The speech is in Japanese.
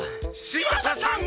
柴田さん